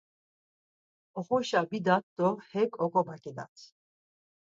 Oxoşa bidat do hek oǩobaǩidat.